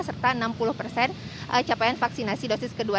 serta enam puluh persen capaian vaksinasi dosis kedua